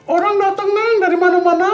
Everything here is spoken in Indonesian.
orang dateng neng dari mana mana